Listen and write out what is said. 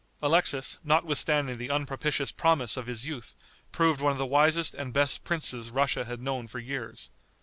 Alexis, notwithstanding the unpropitious promise of his youth, proved one of the wisest and best princes Russia had known for years.